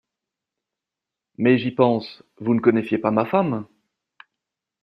Mais, j’y pense, vous ne connaissiez pas ma femme…